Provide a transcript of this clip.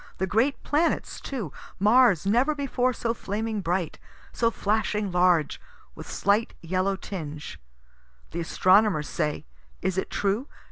The great planets too Mars never before so flaming bright, so flashing large, with slight yellow tinge, (the astronomers say is it true?